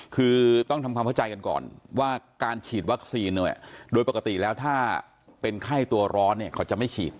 คือต้องทำความเข้าใจกันก่อนว่าการฉีดวัคซีนโดยปกติแล้วถ้าเป็นไข้ตัวร้อนเนี่ยเขาจะไม่ฉีด